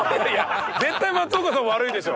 絶対松岡さん悪いでしょ。